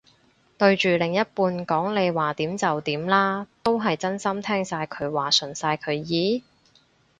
對住另一半講你話點就點啦，都係真心聽晒佢話順晒佢意？